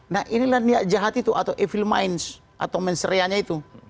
nah inilah niat jahat itu atau evil mindse atau menserianya itu